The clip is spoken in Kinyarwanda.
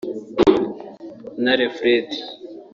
Ntare Fred